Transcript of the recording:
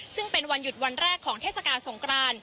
ซึ่งเป็นวันหยุดวันแรกของเทศกาลสงคราน